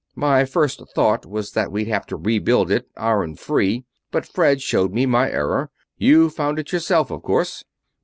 My first thought was that we'd have to rebuild it iron free, but Fred showed me my error you found it first yourself, of course."